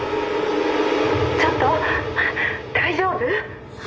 ちょっと大丈夫？